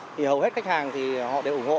thì hầu hết khách hàng họ đều ủng hộ